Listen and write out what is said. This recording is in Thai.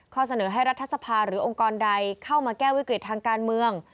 เสนอให้รัฐสภาหรือองค์กรใดเข้ามาแก้วิกฤตทางการเมือง